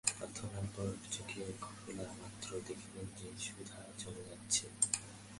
প্রার্থনার পর চোখ খোলা-মাত্র দেখলেন যে, সাধু চলে যাচ্ছেন।